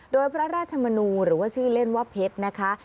โดยพระราชมนูหรือว่าชื่อเล่นว่าเพชรนะคะ